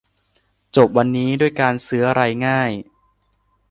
จบวันนี้ด้วยการซื้ออะไรง่าย